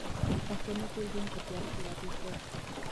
پښتنو ټول ژوند په تیاره کښې را تېر کړ